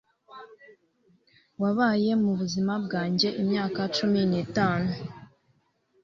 wabaye mubuzima bwanjye imyaka cumi n'itanu